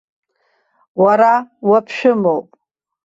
Уара уаԥшәымоуп!